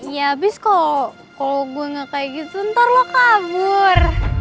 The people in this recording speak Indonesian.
ya habis kok kalau gue gak kayak gitu ntar lo kabur